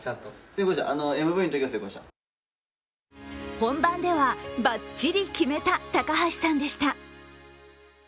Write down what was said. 本番では、ばっちり決めた高橋さんでした。